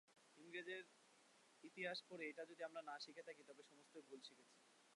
ইংরেজের ইতিহাস পড়ে এইটে যদি আমরা না শিখে থাকি তবে সমস্তই ভুল শিখেছি।